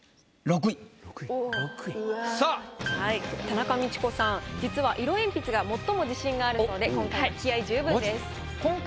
田中道子さん実は色鉛筆が最も自信があるそうで今回も気合い十分です。